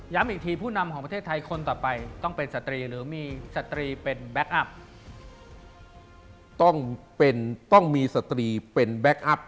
ย้ำอีกทีผู้นำของประเทศไทยคนต่อไปต้องเป็นสตรีหรือมีสตรีเป็นแบ็คอัพ